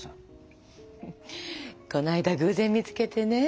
こないだ偶然見つけてね。